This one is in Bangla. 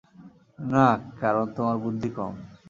না, কারণ তোমার বুদ্ধি কম।